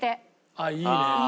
あっいいね！